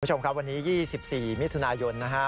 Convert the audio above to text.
คุณผู้ชมครับวันนี้๒๔มิถุนายนนะฮะ